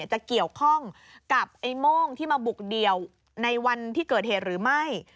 จะเกี่ยวข้องกับไอ้โม่งที่มาบุกเดี่ยวในวันที่เกิดเหตุหรือไม่